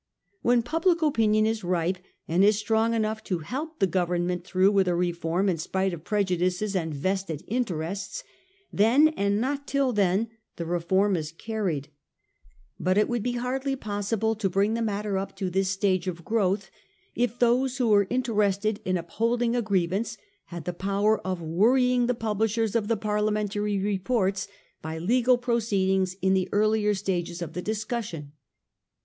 "When public opinion is ripe, and is strong enough to help the Government through with a re form in spite of prejudices and vested interests, then, and not till then, the reform is carried. But it would 1840. 'PARTANT POUR LA SYRIE.' 195 be hardly possible to bring the matter up to this stage of growth if those who were interested in up holding a grievance had the power of worrying the publishers of the Parliamentary reports by legal proceedings in the earlier stages of the discussion.